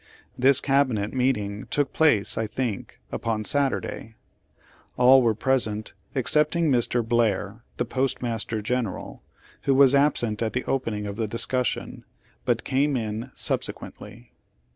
"This Cabinet meeting took place, I think, upon Saturday. All were present, except Page Eighty six Page Eighty seven ing Mr. Blair, the Postmaster General, who was absent at the opening of the discussion, but came in subsequently.